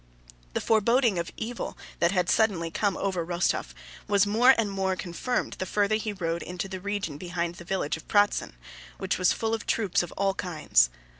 The foreboding of evil that had suddenly come over Rostóv was more and more confirmed the farther he rode into the region behind the village of Pratzen, which was full of troops of all kinds.